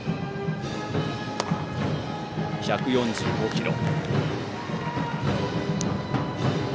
１４５キロ。